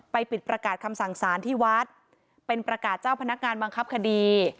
ปิดประกาศคำสั่งสารที่วัดเป็นประกาศเจ้าพนักงานบังคับคดี